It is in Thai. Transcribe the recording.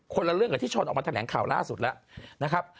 คนละเรื่องกับที่ช้อนออกมาแถลงข่าวล่าสุดแล้ว